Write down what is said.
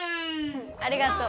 ありがとう。